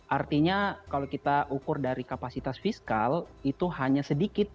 artinya kalau kita ukur dari kapasitas fiskal itu hanya sedikit